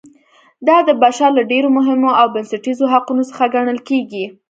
دا د بشر له ډېرو مهمو او بنسټیزو حقونو څخه ګڼل کیږي.